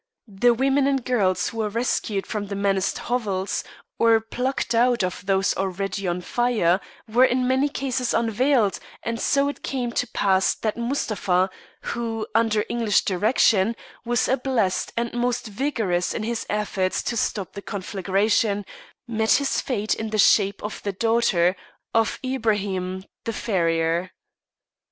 The women and girls who were rescued from the menaced hovels, or plucked out of those already on fire, were in many cases unveiled, and so it came to pass that Mustapha, who, under English direction, was ablest and most vigorous in his efforts to stop the conflagration, met his fate in the shape of the daughter of Ibraim the Farrier.